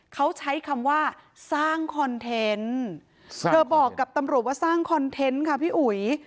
เขาใช้คำว่าสร้างคอนเทนต์เธอบอกกับตำรวจว่าสร้างคอนเทนต์ค่ะพี่อุ๋ย